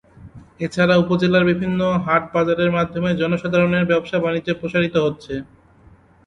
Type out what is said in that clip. এছাড়া উপজেলার বিভিন্ন হাট বাজারের মাধ্যমে জনসাধারণের ব্যবসা-বাণিজ্য প্রসারিত হচ্ছে।